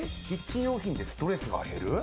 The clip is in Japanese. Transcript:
キッチン用品でストレスが減る。